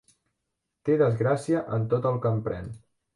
Té desgràcia en tot el que emprèn.